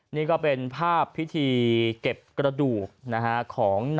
นี่ก็เป็นภาพพิธีเก็บกระดูกของ